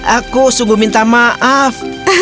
aku sungguh minta maaf